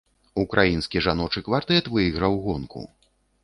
Украінскі жаночы квартэт выйграў гонку.